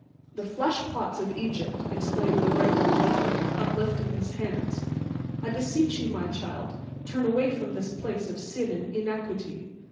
"The flesh pots of Egypt," exclaimed the reverend gentleman, uplifting his hands. "I beseech you, my child, to turn away from this place of sin and iniquity."